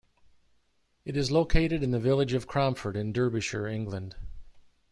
It is located in the village of Cromford in Derbyshire, England.